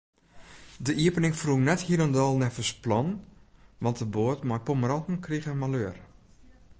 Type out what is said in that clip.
De iepening ferrûn net hielendal neffens plan, want de boat mei pommeranten krige maleur.